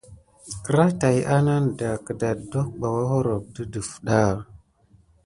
Kraà tät anadan keto ɓa hokorho de defta.